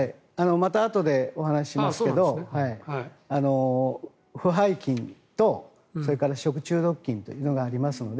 またあとでお話ししますが腐敗菌とそれから食中毒菌というのがありますので。